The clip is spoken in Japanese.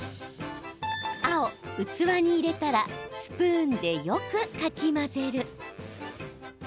青器に入れたらスプーンでよくかき混ぜる。